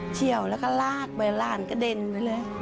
เชี่ยวแล้วก็ลากไปหลานกระเด็นไปเลย